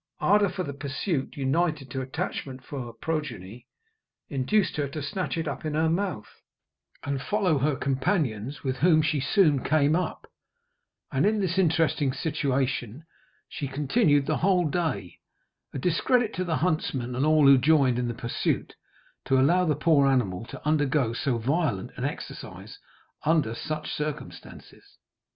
Ardour for the pursuit, united to attachment for her progeny, induced her to snatch it up in her mouth, and follow her companions, with whom she soon came up, and in this interesting situation she continued the whole day, a discredit to the huntsman, and all who joined in the pursuit, to allow the poor animal to undergo so violent an exercise under such circumstances.